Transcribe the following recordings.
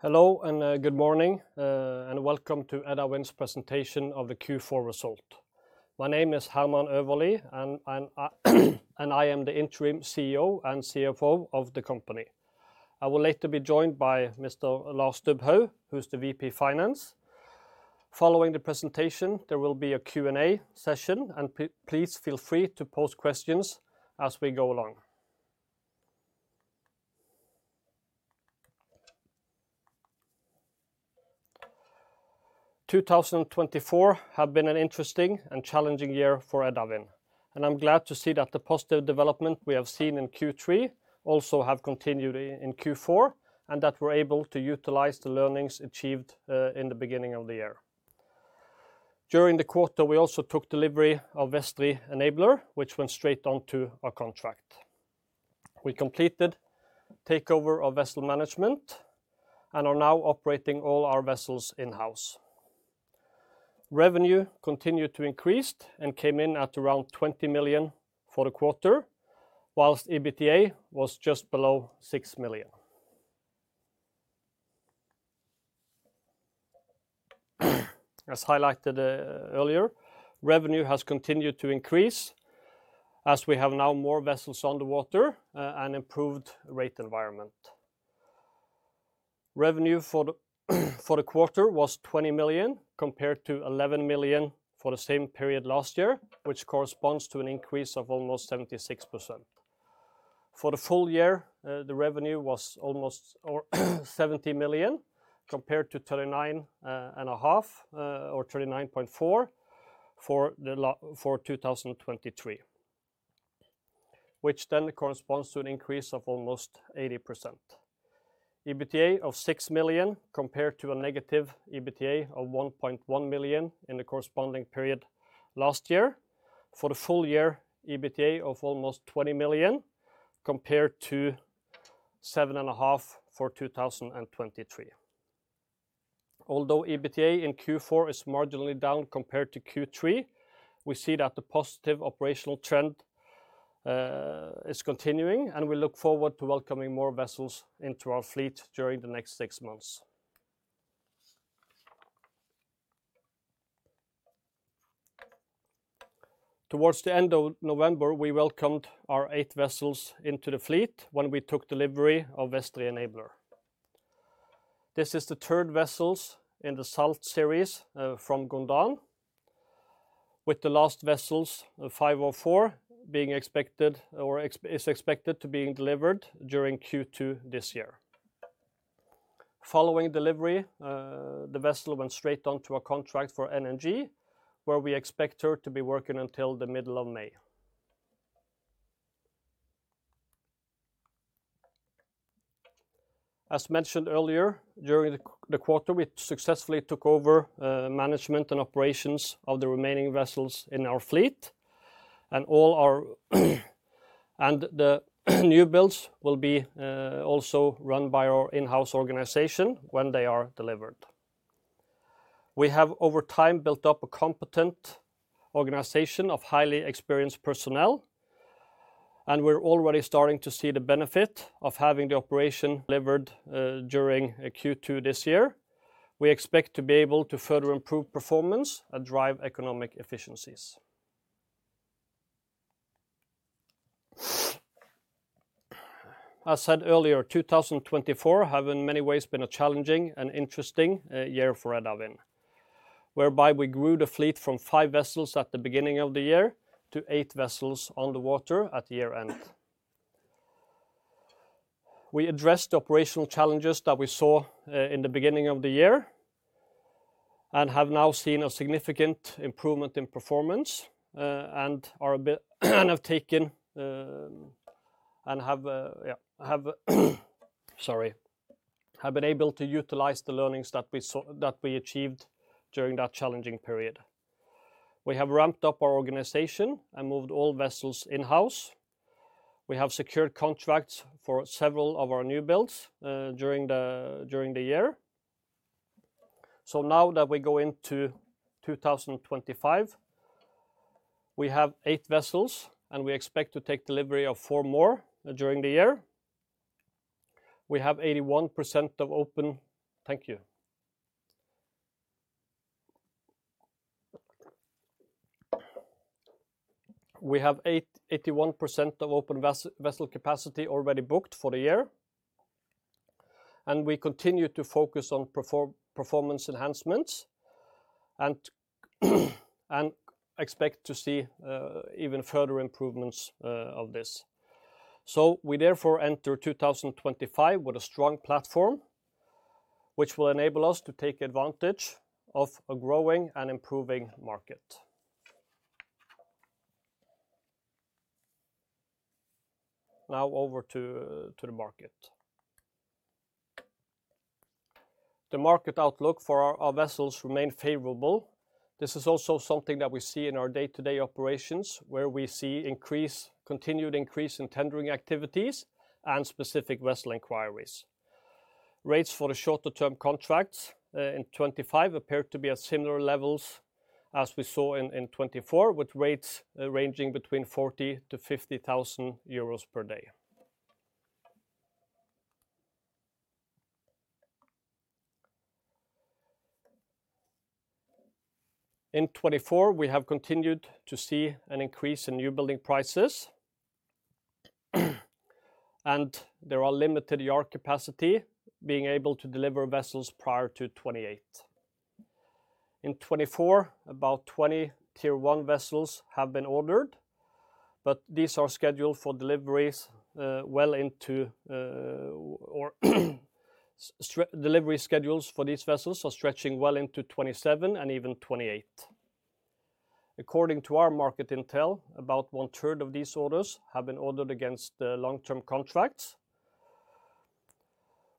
Hello and good morning, and welcome to Edda Wind's presentation of the Q4 result. My name is Hermann Øverlie, and I am the interim CEO and CFO of the company. I will later be joined by Mr. Lars Stubhaug, who's the VP Finance. Following the presentation, there will be a Q&A session, and please feel free to post questions as we go along. 2024 has been an interesting and challenging year for Edda Wind, and I'm glad to see that the positive development we have seen in Q3 also has continued in Q4, and that we're able to utilize the learnings achieved in the beginning of the year. During the quarter, we also took delivery of Vestri Enabler, which went straight onto our contract. We completed takeover of vessel management and are now operating all our vessels in-house. Revenue continued to increase and came in at around 20 million for the quarter, whilst EBITDA was just below 6 million. As highlighted earlier, revenue has continued to increase as we have now more vessels underwater and an improved rate environment. Revenue for the quarter was 20 million compared to 11 million for the same period last year, which corresponds to an increase of almost 76%. For the full year, the revenue was almost 70 million compared to 39.5 or 39.4 for 2023, which then corresponds to an increase of almost 80%. EBITDA of 6 million compared to a negative EBITDA of 1.1 million in the corresponding period last year. For the full year, EBITDA of almost 20 million compared to 7.5 for 2023. Although EBITDA in Q4 is marginally down compared to Q3, we see that the positive operational trend is continuing, and we look forward to welcoming more vessels into our fleet during the next six months. Towards the end of November, we welcomed our eighth vessel into the fleet when we took delivery of Vestri Enabler. This is the third vessel in the Salt series from Gondan, with the last vessel 504 being expected or is expected to be delivered during Q2 this year. Following delivery, the vessel went straight onto our contract for NNG, where we expect her to be working until the middle of May. As mentioned earlier, during the quarter, we successfully took over management and operations of the remaining vessels in our fleet, and the new builds will be also run by our in-house organization when they are delivered. We have, over time, built up a competent organization of highly experienced personnel, and we're already starting to see the benefit of having the operation delivered during Q2 this year. We expect to be able to further improve performance and drive economic efficiencies. As said earlier, 2024 has in many ways been a challenging and interesting year for Edda Wind, whereby we grew the fleet from five vessels at the beginning of the year to eight vessels underwater at year end. We addressed the operational challenges that we saw in the beginning of the year and have now seen a significant improvement in performance and have taken and have been able to utilize the learnings that we achieved during that challenging period. We have ramped up our organization and moved all vessels in-house. We have secured contracts for several of our new builds during the year. Now that we go into 2025, we have eight vessels, and we expect to take delivery of four more during the year. We have 81% of open vessel capacity already booked for the year, and we continue to focus on performance enhancements and expect to see even further improvements of this. We therefore enter 2025 with a strong platform, which will enable us to take advantage of a growing and improving market. Now over to the market. The market outlook for our vessels remains favorable. This is also something that we see in our day-to-day operations, where we see continued increase in tendering activities and specific vessel inquiries. Rates for the shorter-term contracts in 2025 appear to be at similar levels as we saw in 2024, with rates ranging between 40,000-ERU 50,000 per day. In 2024, we have continued to see an increase in new building prices, and there are limited yard capacity being able to deliver vessels prior to 2028. In 2024, about 20 tier one vessels have been ordered, but these are scheduled for deliveries well into—delivery schedules for these vessels are stretching well into 2027 and even 2028. According to our market intel, about one-third of these orders have been ordered against long-term contracts.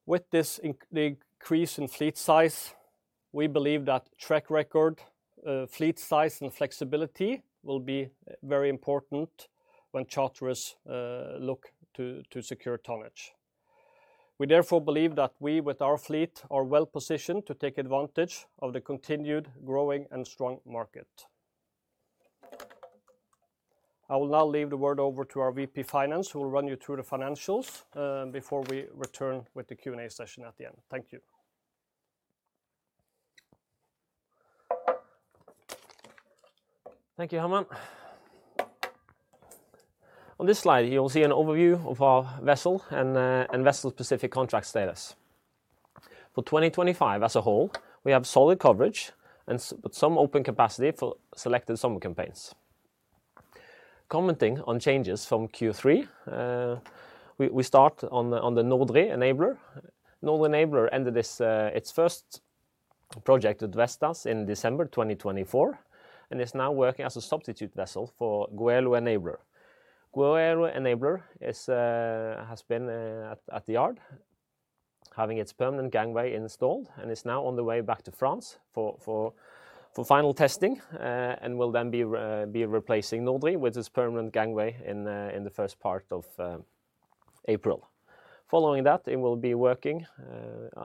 With this increase in fleet size, we believe that track record, fleet size, and flexibility will be very important when charterers look to secure tonnage. We therefore believe that we, with our fleet, are well positioned to take advantage of the continued growing and strong market. I will now leave the word over to our VP Finance, who will run you through the financials before we return with the Q&A session at the end. Thank you. Thank you, Hermann. On this slide, you'll see an overview of our vessel and vessel-specific contract status. For 2025 as a whole, we have solid coverage and some open capacity for selected summer campaigns. Commenting on changes from Q3, we start on the Nordri Enabler. Nordri Enabler ended its first project with Vestas in December 2024 and is now working as a substitute vessel for Goelo Enabler. Goelo Enabler has been at the yard, having its permanent gangway installed, and is now on the way back to France for final testing and will then be replacing Nordri with its permanent gangway in the first part of April. Following that, it will be working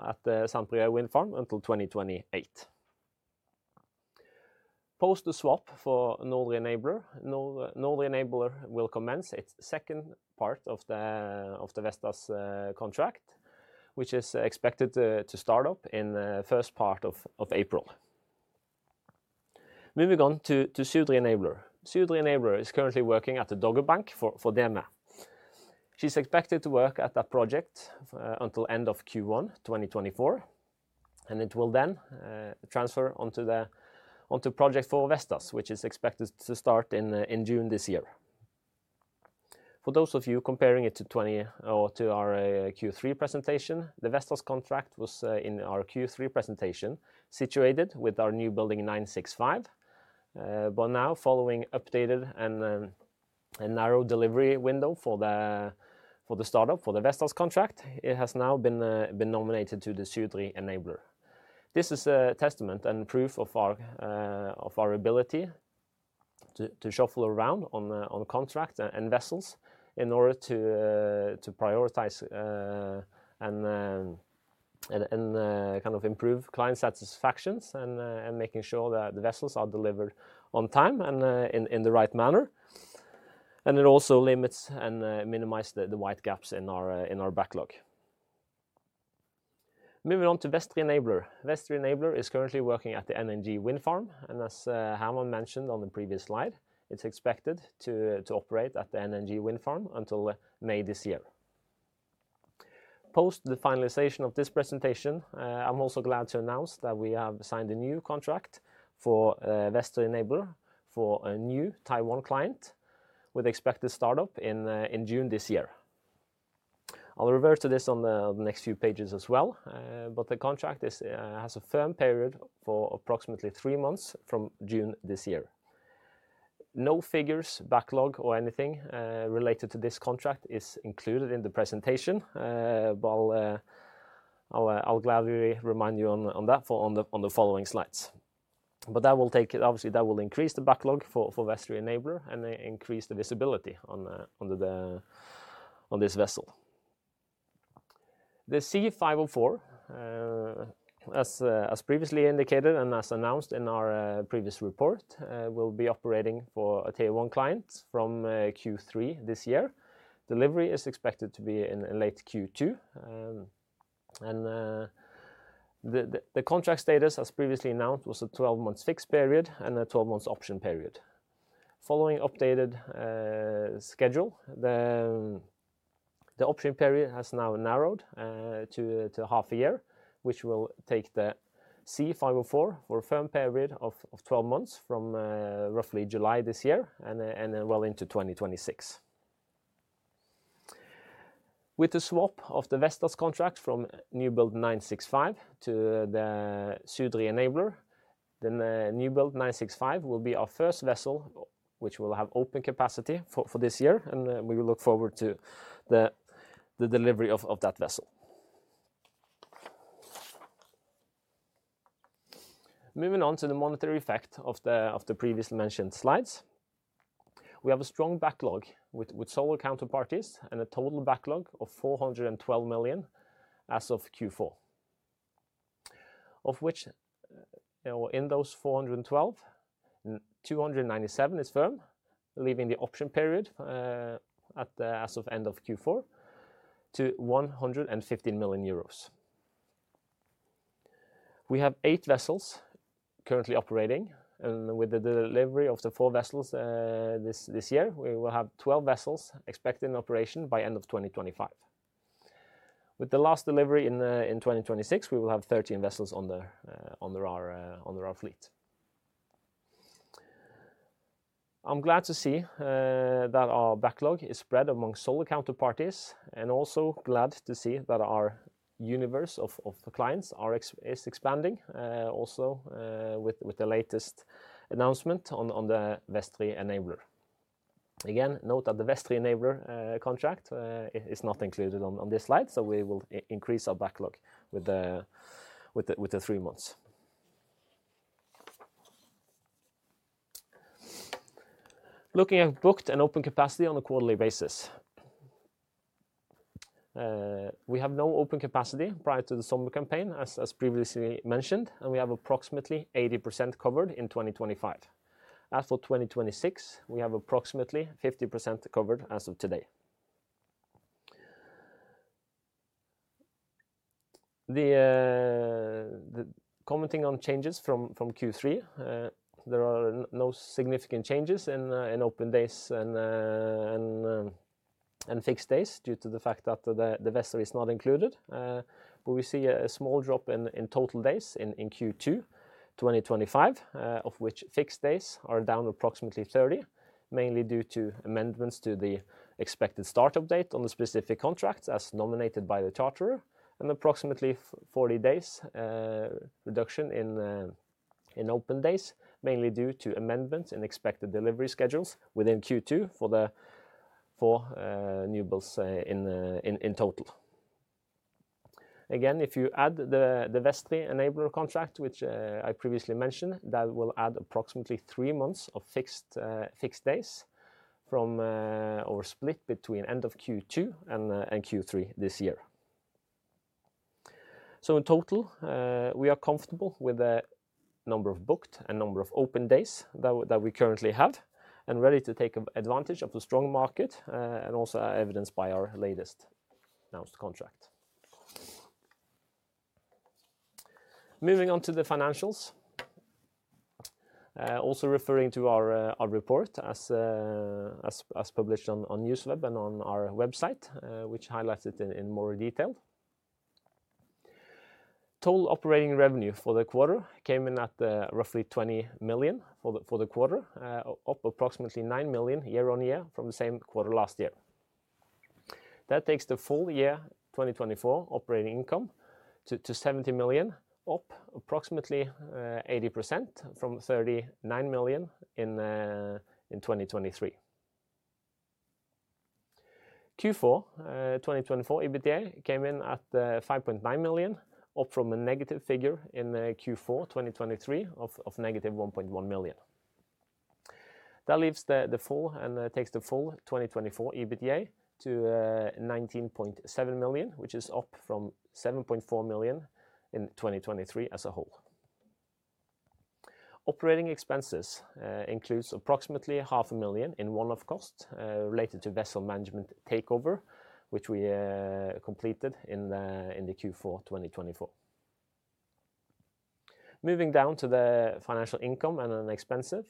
at the Saint-Pierre wind farm until 2028. Post the swap for Nordri Enabler, Nordri Enabler will commence its second part of the Vestas contract, which is expected to start up in the first part of April. Moving on to Sudri Enabler. Sudri Enabler is currently working at the Dogger Bank for DEMA. She's expected to work at that project until the end of Q1 2024, and it will then transfer onto the project for Vestas, which is expected to start in June this year. For those of you comparing it to our Q3 presentation, the Vestas contract was in our Q3 presentation situated with our new build 965, but now, following an updated and narrow delivery window for the startup for the Vestas contract, it has now been nominated to the Sudri Enabler. This is a testament and proof of our ability to shuffle around on contract and vessels in order to prioritize and kind of improve client satisfactions and making sure that the vessels are delivered on time and in the right manner. It also limits and minimizes the wide gaps in our backlog. Moving on to Vestri Enabler. Vestri Enabler is currently working at the NNG wind farm, and as Hermann Øverlie mentioned on the previous slide, it's expected to operate at the NNG wind farm until May this year. Post the finalization of this presentation, I'm also glad to announce that we have signed a new contract for Vestri Enabler for a new Taiwan client with expected startup in June this year. I'll revert to this on the next few pages as well, but the contract has a firm period for approximately three months from June this year. No figures, backlog, or anything related to this contract is included in the presentation, but I'll gladly remind you on that on the following slides. That will take it; obviously, that will increase the backlog for Vestri Enabler and increase the visibility under this vessel. The C504, as previously indicated and as announced in our previous report, will be operating for a tier one client from Q3 this year. Delivery is expected to be in late Q2, and the contract status, as previously announced, was a 12-month fixed period and a 12-month option period. Following updated schedule, the option period has now narrowed to half a year, which will take the C504 for a firm period of 12 months from roughly July this year and well into 2026. With the swap of the Vestas contract from new build 965 to the Sudri Enabler, the new build 965 will be our first vessel which will have open capacity for this year, and we will look forward to the delivery of that vessel. Moving on to the monetary effect of the previously mentioned slides, we have a strong backlog with solid counterparties and a total backlog of 412 million as of Q4, of which in those 412 million, 297 million is firm, leaving the option period as of end of Q4 to 115 million euros. We have eight vessels currently operating, and with the delivery of the four vessels this year, we will have 12 vessels expected in operation by end of 2025. With the last delivery in 2026, we will have 13 vessels under our fleet. I'm glad to see that our backlog is spread among solid counterparties and also glad to see that our universe of clients is expanding also with the latest announcement on the Vestri Enabler. Again, note that the Vestri Enabler contract is not included on this slide, so we will increase our backlog with the three months. Looking at booked and open capacity on a quarterly basis, we have no open capacity prior to the summer campaign, as previously mentioned, and we have approximately 80% covered in 2025. As for 2026, we have approximately 50% covered as of today. Commenting on changes from Q3, there are no significant changes in open days and fixed days due to the fact that the vessel is not included, but we see a small drop in total days in Q2 2025, of which fixed days are down approximately 30, mainly due to amendments to the expected startup date on the specific contracts as nominated by the charter, and approximately 40 days reduction in open days, mainly due to amendments in expected delivery schedules within Q2 for new builds in total. Again, if you add the Vestri Enabler contract, which I previously mentioned, that will add approximately three months of fixed days or split between end of Q2 and Q3 this year. In total, we are comfortable with the number of booked and number of open days that we currently have and ready to take advantage of the strong market and also evidenced by our latest announced contract. Moving on to the financials, also referring to our report as published on NewsWeb and on our website, which highlights it in more detail. Total operating revenue for the quarter came in at roughly 20 million for the quarter, up approximately 9 million year on year from the same quarter last year. That takes the full year 2024 operating income to 70 million, up approximately 80% from 39 million in 2023. Q4 2024 EBITDA came in at 5.9 million, up from a negative figure in Q4 2023 of negative 1.1 million. That leaves the full and takes the full 2024 EBITDA to 19.7 million, which is up from 7.4 million in 2023 as a whole. Operating expenses include approximately EUR 500,000 in one-off cost related to vessel management takeover, which we completed in the Q4 2024. Moving down to the financial income and expenses,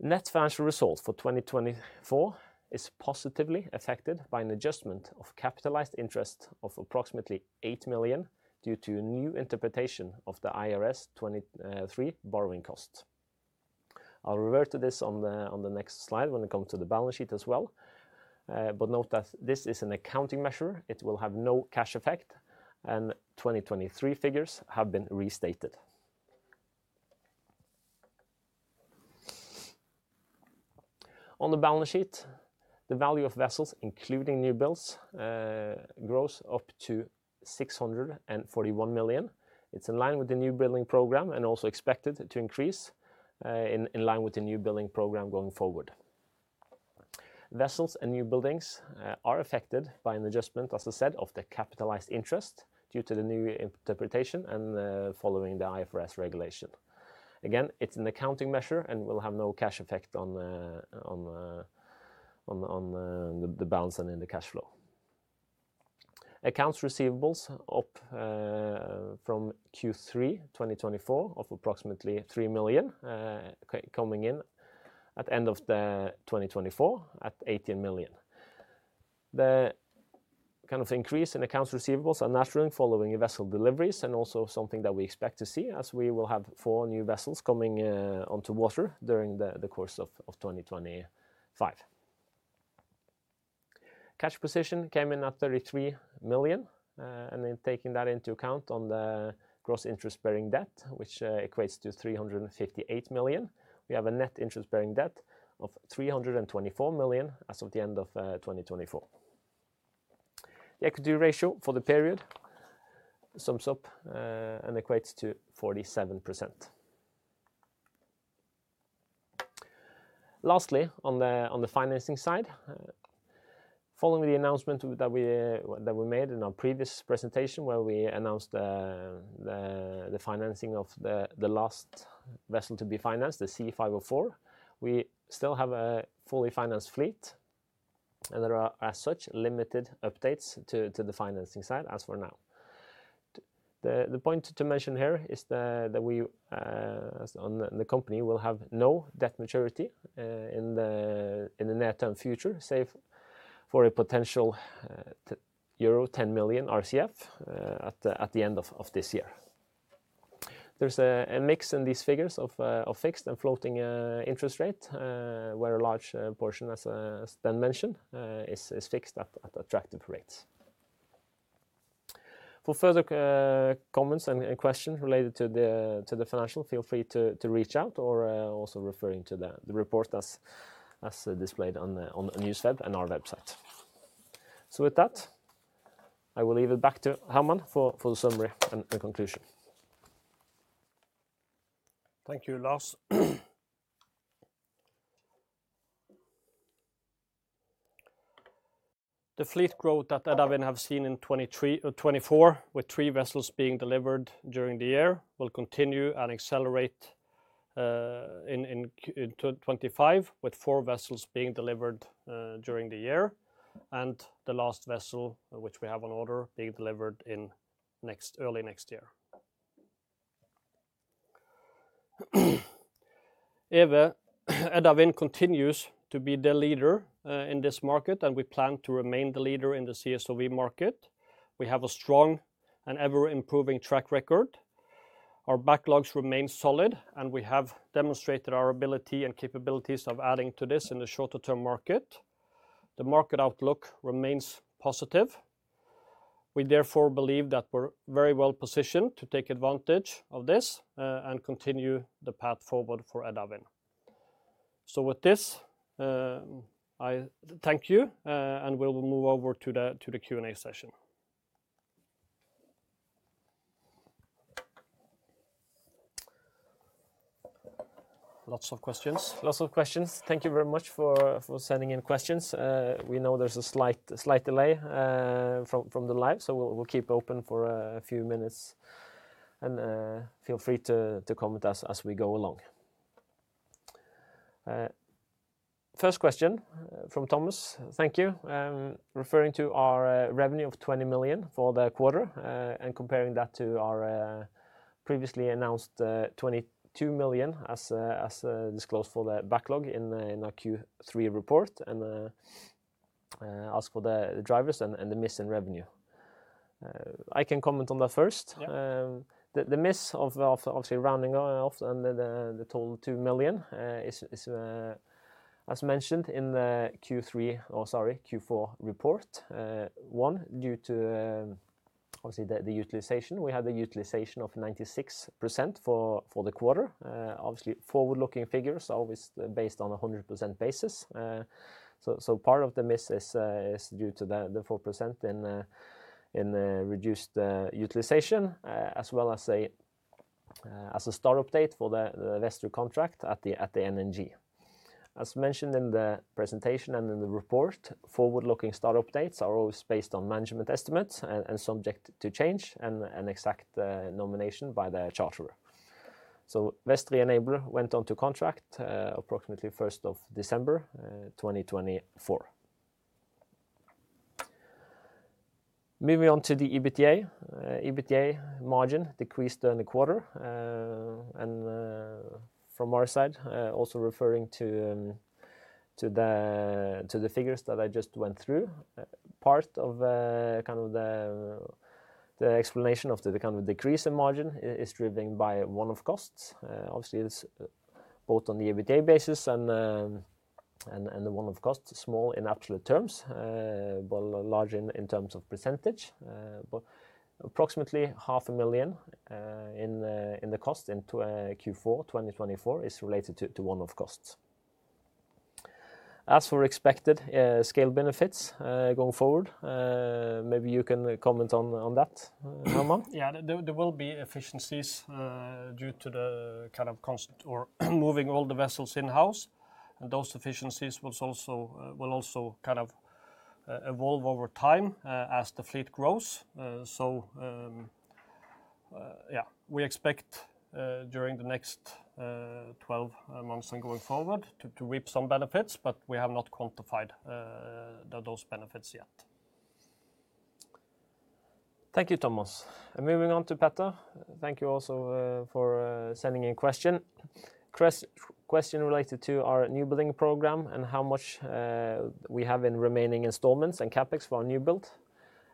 net financial result for 2024 is positively affected by an adjustment of capitalized interest of approximately 8 million due to new interpretation of the IFRS 23 borrowing costs. I'll revert to this on the next slide when it comes to the balance sheet as well, but note that this is an accounting measure. It will have no cash effect, and 2023 figures have been restated. On the balance sheet, the value of vessels, including new builds, grows up to 641 million. It's in line with the new building program and also expected to increase in line with the new building program going forward. Vessels and new buildings are affected by an adjustment, as I said, of the capitalized interest due to the new interpretation and following the IFRS regulation. Again, it's an accounting measure and will have no cash effect on the balance and in the cash flow. Accounts receivables up from Q3 2024 of approximately 3 million coming in at the end of 2024 at 18 million. The kind of increase in accounts receivables are natural following vessel deliveries and also something that we expect to see as we will have four new vessels coming onto water during the course of 2025. Cash position came in at 33 million, and in taking that into account on the gross interest-bearing debt, which equates to 358 million, we have a net interest-bearing debt of 324 million as of the end of 2024. The equity ratio for the period sums up and equates to 47%. Lastly, on the financing side, following the announcement that we made in our previous presentation where we announced the financing of the last vessel to be financed, the C504, we still have a fully financed fleet and there are as such limited updates to the financing side as for now. The point to mention here is that we, as the company, will have no debt maturity in the near-term future, save for a potential euro 10 million RCF at the end of this year. There's a mix in these figures of fixed and floating interest rate where a large portion, as Ben mentioned, is fixed at attractive rates. For further comments and questions related to the financial, feel free to reach out or also referring to the report as displayed on NewsWeb and our website. With that, I will leave it back to Hermann for the summary and conclusion. Thank you, Lars. The fleet growth that Edda Wind have seen in 2024, with three vessels being delivered during the year, will continue and accelerate in 2025, with four vessels being delivered during the year and the last vessel, which we have on order, being delivered in early next year. Edda Wind continues to be the leader in this market, and we plan to remain the leader in the CSOV market. We have a strong and ever-improving track record. Our backlogs remain solid, and we have demonstrated our ability and capabilities of adding to this in the shorter-term market. The market outlook remains positive. We therefore believe that we're very well positioned to take advantage of this and continue the path forward for Edda Wind. With this, I thank you, and we will move over to the Q&A session. Lots of questions. Lots of questions. Thank you very much for sending in questions. We know there's a slight delay from the live, so we'll keep open for a few minutes, and feel free to comment as we go along. First question from Thomas. Thank you. Referring to our revenue of 20 million for the quarter and comparing that to our previously announced 22 million as disclosed for the backlog in our Q3 report and ask for the drivers and the miss in revenue. I can comment on that first. The miss of rounding off and the total 2 million is, as mentioned in the Q4 report, one due to, obviously, the utilization. We had a utilization of 96% for the quarter. Obviously, forward-looking figures are always based on a 100% basis. Part of the miss is due to the 4% in reduced utilization, as well as a startup date for the Vestri contract at the NNG. As mentioned in the presentation and in the report, forward-looking startup dates are always based on management estimates and subject to change and exact nomination by the charter. Vestri Enabler went on to contract approximately 1st of December 2024. Moving on to the EBITDA. EBITDA margin decreased during the quarter, and from our side, also referring to the figures that I just went through, part of kind of the explanation of the kind of decrease in margin is driven by one-off costs. Obviously, it is both on the EBITDA basis and the one-off costs, small in absolute terms, but large in terms of percentage. Approximately 500,000 in the cost in Q4 2024 is related to one-off costs. As for expected scale benefits going forward, maybe you can comment on that, Hermann. Yeah, there will be efficiencies due to the kind of moving all the vessels in-house, and those efficiencies will also kind of evolve over time as the fleet grows. Yeah, we expect during the next 12 months and going forward to reap some benefits, but we have not quantified those benefits yet. Thank you, Thomas. Moving on to Petter, thank you also for sending in a question. Question related to our new building program and how much we have in remaining installments and CapEx for our new build.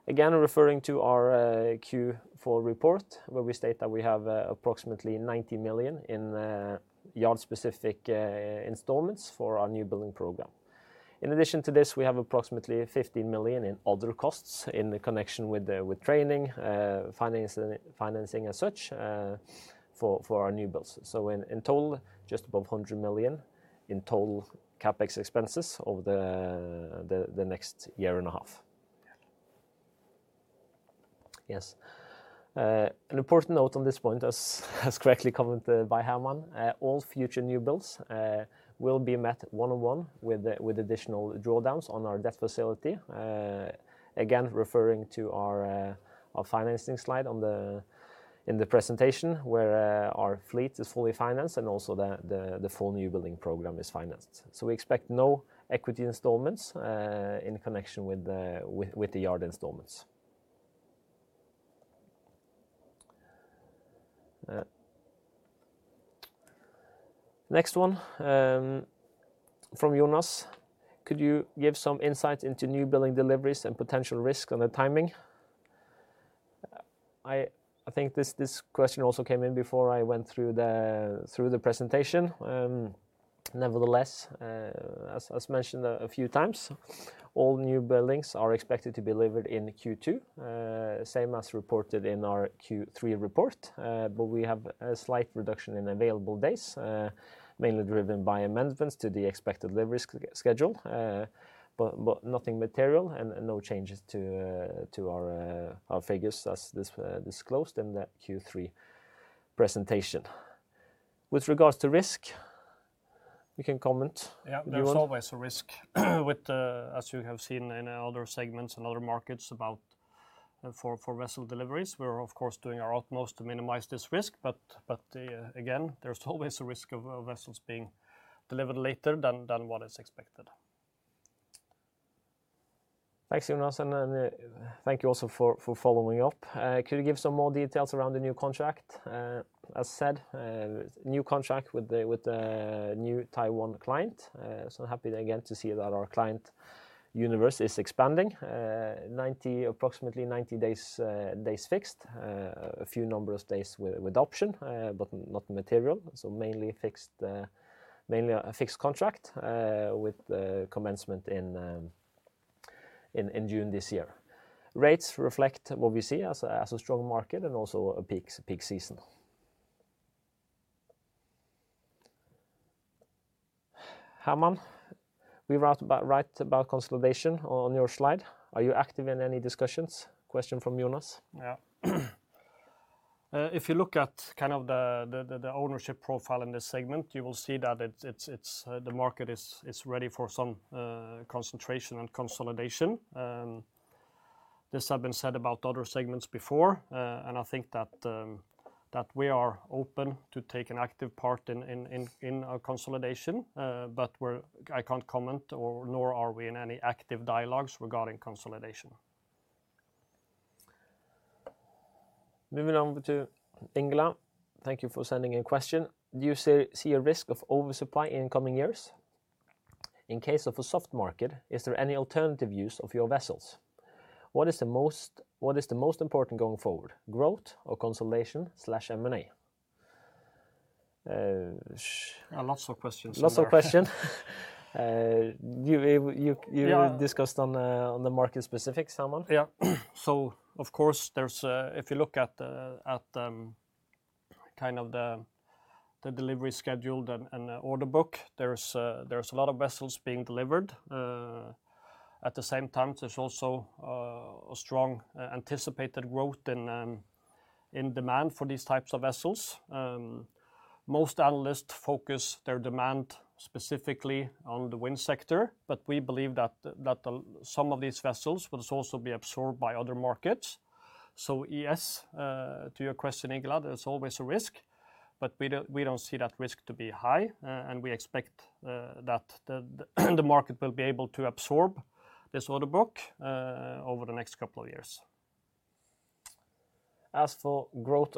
Again, referring to our Q4 report, where we state that we have approximately 90 million in yard-specific installments for our new building program. In addition to this, we have approximately 15 million in other costs in connection with training, financing, and such for our new builds. In total, just above 100 million in total CapEx expenses over the next year and a half. Yes. An important note on this point, as correctly commented by Hermann, all future new builds will be met one-on-one with additional drawdowns on our debt facility. Again, referring to our financing slide in the presentation where our fleet is fully financed and also the full new building program is financed. We expect no equity installments in connection with the yard installments. Next one. From Jonas, could you give some insight into new building deliveries and potential risk on the timing? I think this question also came in before I went through the presentation. Nevertheless, as mentioned a few times, all new buildings are expected to be delivered in Q2, same as reported in our Q3 report, but we have a slight reduction in available days, mainly driven by amendments to the expected delivery schedule, but nothing material and no changes to our figures as disclosed in the Q3 presentation. With regards to risk, you can comment. Yeah, there's always a risk, as you have seen in other segments and other markets about for vessel deliveries. We're, of course, doing our utmost to minimize this risk, but again, there's always a risk of vessels being delivered later than what is expected. Thanks, Jonas, and thank you also for following up. Could you give some more details around the new contract? As said, new contract with the new Taiwan client. Happy again to see that our client universe is expanding. Approximately 90 days fixed, a few number of days with option, but not material. Mainly a fixed contract with commencement in June this year. Rates reflect what we see as a strong market and also a peak season. Hermann, we write about consolidation on your slide. Are you active in any discussions? Question from Jonas. Yeah. If you look at kind of the ownership profile in this segment, you will see that the market is ready for some concentration and consolidation. This has been said about other segments before, and I think that we are open to take an active part in consolidation, but I can't comment, nor are we in any active dialogues regarding consolidation. Moving on to Ingela. Thank you for sending in a question. Do you see a risk of oversupply in coming years? In case of a soft market, is there any alternative use of your vessels? What is the most important going forward, growth or consolidation/M&A? Lots of questions. Lots of questions. You discussed on the market specifics, Hermann. Yeah. Of course, if you look at kind of the delivery schedule and order book, there's a lot of vessels being delivered. At the same time, there's also a strong anticipated growth in demand for these types of vessels. Most analysts focus their demand specifically on the wind sector, but we believe that some of these vessels will also be absorbed by other markets. Yes, to your question, Ingela, there's always a risk, but we don't see that risk to be high, and we expect that the market will be able to absorb this order book over the next couple of years. As for growth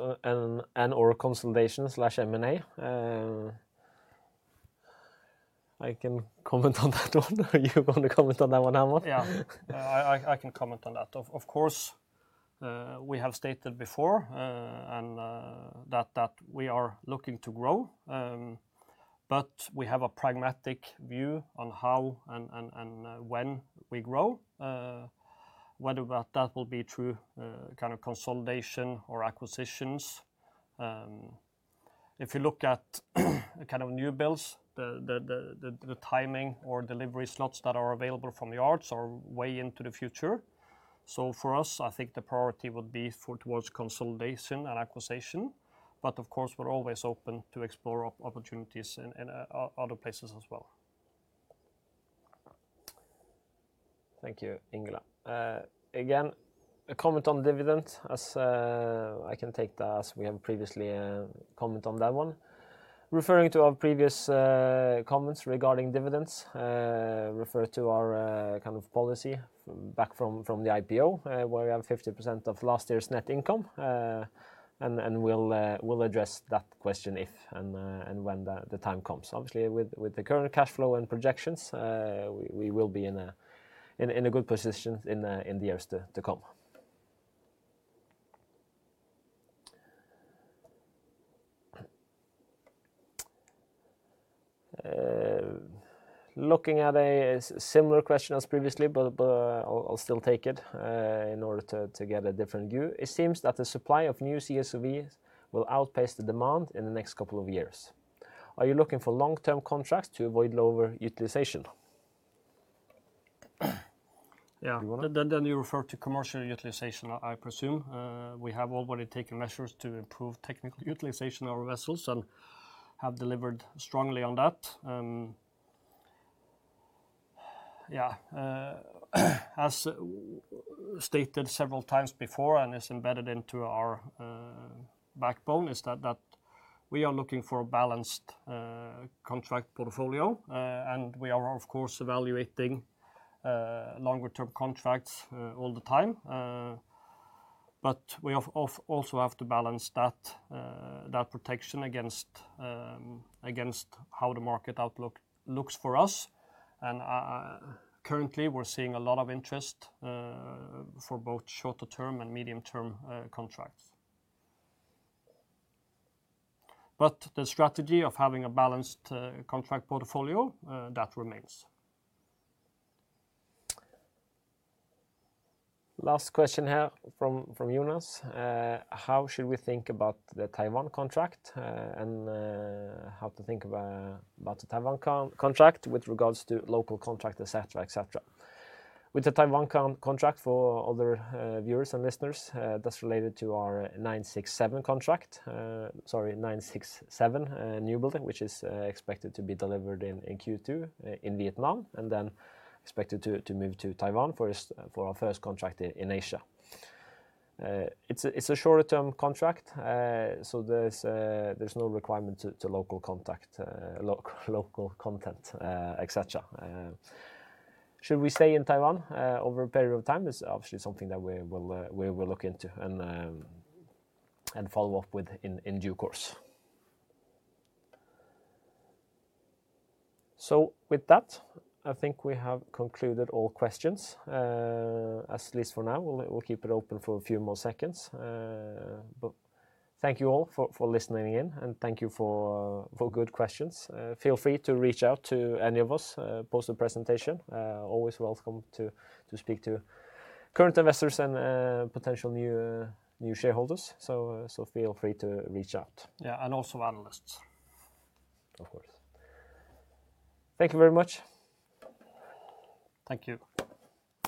and/or consolidation/M&A, I can comment on that one. Are you going to comment on that one, Hermann? Yeah, I can comment on that. Of course, we have stated before that we are looking to grow, but we have a pragmatic view on how and when we grow. Whether that will be true kind of consolidation or acquisitions. If you look at kind of new builds, the timing or delivery slots that are available from yards are way into the future. For us, I think the priority would be towards consolidation and acquisition, but of course, we're always open to explore opportunities in other places as well. Thank you, Ingela. Again, a comment on dividends. I can take that as we have previously commented on that one. Referring to our previous comments regarding dividends, refer to our kind of policy back from the IPO, where we have 50% of last year's net income, and we'll address that question if and when the time comes. Obviously, with the current cash flow and projections, we will be in a good position in the years to come. Looking at a similar question as previously, but I'll still take it in order to get a different view. It seems that the supply of new CSOVs will outpace the demand in the next couple of years. Are you looking for long-term contracts to avoid lower utilization? Yeah. Then you refer to commercial utilization, I presume. We have already taken measures to improve technical utilization of our vessels and have delivered strongly on that. Yeah. As stated several times before and is embedded into our backbone, is that we are looking for a balanced contract portfolio, and we are, of course, evaluating longer-term contracts all the time. We also have to balance that protection against how the market outlook looks for us. Currently, we're seeing a lot of interest for both shorter-term and medium-term contracts. The strategy of having a balanced contract portfolio, that remains. Last question here from Jonas. How should we think about the Taiwan contract and how to think about the Taiwan contract with regards to local contract, etc., etc.? With the Taiwan contract, for other viewers and listeners, that's related to our 967 contract, sorry, 967 new building, which is expected to be delivered in Q2 in Vietnam, and then expected to move to Taiwan for our first contract in Asia. It's a shorter-term contract, so there's no requirement to local contact, local content, etc. Should we stay in Taiwan over a period of time? It's obviously something that we will look into and follow up with in due course. With that, I think we have concluded all questions, at least for now. We'll keep it open for a few more seconds. Thank you all for listening in, and thank you for good questions. Feel free to reach out to any of us post the presentation. Always welcome to speak to current investors and potential new shareholders. Feel free to reach out. Yeah, and also analysts. Of course. Thank you very much. Thank you.